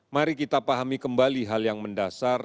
mari kita pahami kembali hal yang mendasar